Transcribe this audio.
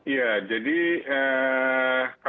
ya itu sudah dilakukan